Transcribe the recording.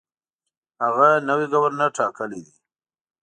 هغه نوی ګورنر ټاکلی دی.